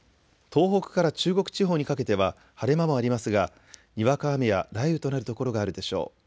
東北から中国地方にかけては晴れ間もありますが、にわか雨や雷雨となる所があるでしょう。